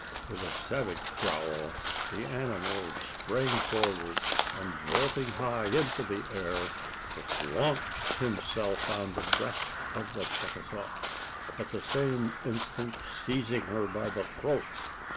With a savage growl the animal sprang forward; and, vaulting high into the air, launched himself on the breast of the Chicasaw at the same instant seizing her by the throat!